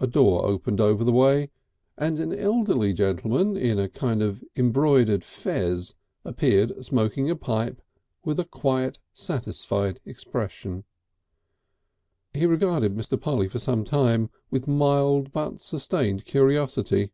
A door opened over the way, and an elderly gentleman in a kind of embroidered fez appeared smoking a pipe with a quiet satisfied expression. He regarded Mr. Polly for some time with mild but sustained curiosity.